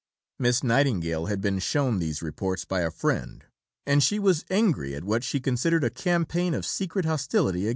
Miss Nightingale had been shown these reports by a friend, and she was angry at what she considered a campaign of secret hostility against her.